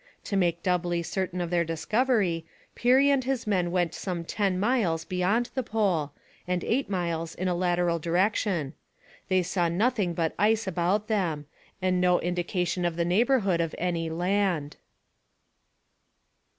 To make doubly certain of their discovery, Peary and his men went some ten miles beyond the Pole, and eight miles in a lateral direction. They saw nothing but ice about them, and no indication of the neighbourhood of any land.